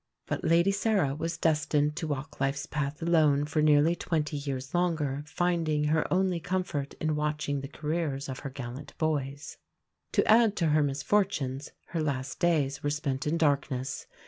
But Lady Sarah was destined to walk life's path alone for nearly twenty years longer, finding her only comfort in watching the careers of her gallant boys. To add to her misfortunes her last days were spent in darkness.